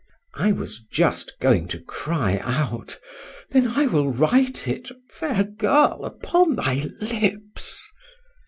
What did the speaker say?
— I was just going to cry out, Then I will write it, fair girl! upon thy lips.